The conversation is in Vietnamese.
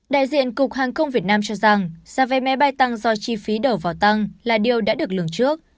đại diện cục hàng không việt nam cho rằng giá vé máy bay tăng do chi phí đầu vào tăng là điều đã được lường trước